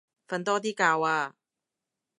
瞓多啲覺啊